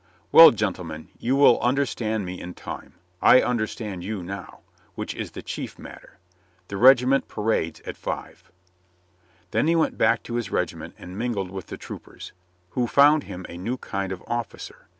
"Well, gentlemen, you will understand me in time. I understand you now, which is the chief matter. The regiment parades at five." Then he went back to his regiment and mingled with the troopers, who found him a new kind of 154 COLONEL GREATHEART officer.